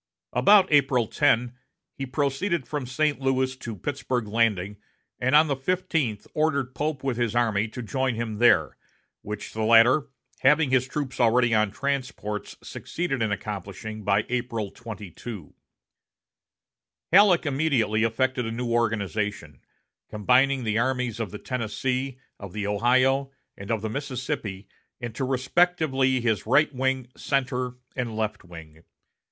About April 10 he proceeded from St. Louis to Pittsburg Landing, and on the fifteenth ordered Pope with his army to join him there, which the latter, having his troops already on transports succeeded in accomplishing by April 22. Halleck immediately effected a new organization, combining the armies of the Tennessee, of the Ohio, and of the Mississippi into respectively his right wing, center, and left wing.